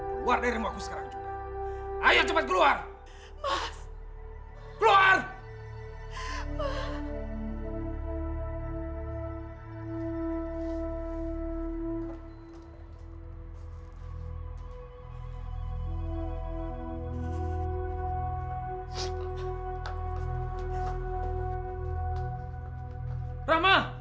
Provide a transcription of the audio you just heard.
keluar dari rumah aku sekarang juga